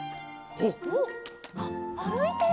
おっあるいてる。